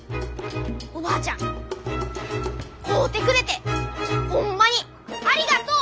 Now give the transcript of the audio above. おばあちゃん買うてくれてホンマにありがとう！